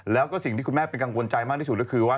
แล้วก็สิ่งที่คุณแม่เป็นกังวลใจมากที่สุดก็คือว่า